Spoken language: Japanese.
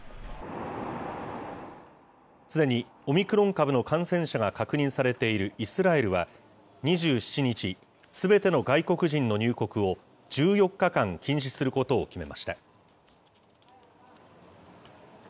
すでにオミクロン株の感染者が確認されているイスラエルは２７日、すべての外国人の入国を１４日間禁止することを決めました。